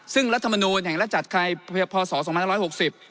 ซึ่งรัฐมนูนแห่งรัฐจัดข่ายพศสองแม่ร้อยหกสิบ